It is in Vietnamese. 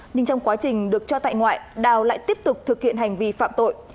nhưng trong quá trình được cho tại ngoại đào lại tiếp tục thực hiện hành vi phạm tội